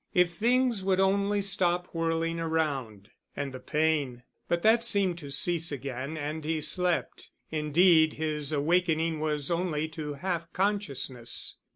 If things would only stop whirling around.... And the pain ... but that seemed to cease again and he slept. Indeed his awakening was only to half consciousness.